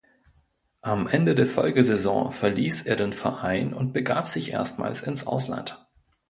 Am Ende der Folgesaison verließ "er" den Verein und begab sich erstmals ins Ausland.